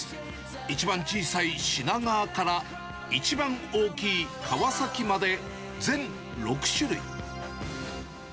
一番小さい品川から一番大きい川崎まで、全６種類。